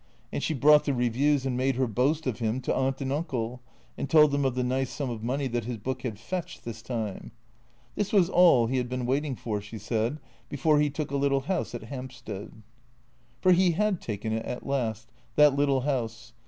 And she ])roiight the reviews, and made her boast of him to Aunt and Uncle, and told them of the nice sum of money that his book had " fetched," this time. This was all he had been waiting for, she said, before he took a little house at Hampstead. For he had taken it at last, that little house.